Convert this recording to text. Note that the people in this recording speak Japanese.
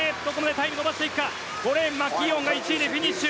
５レーン、マキーオンが１位でフィニッシュ。